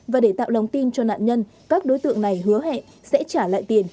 và để tạo lòng tin cho nạn nhân các đối tượng này hứa hẹn sẽ trả lại tiền